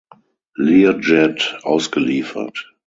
Learjet ausgeliefert.